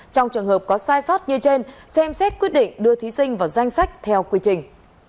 trong trường hợp có sai sót như trên xem xét quyết định đưa thí sinh vào danh sách theo quy trình